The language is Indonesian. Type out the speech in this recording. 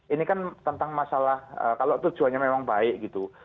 ini kan tentang masalah kalau tujuannya memang baik gitu